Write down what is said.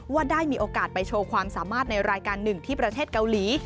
ว่าได้มีโอกาสไปโชว์ความสามารถในรายการหนึ่งที่ประเทศเกาหลี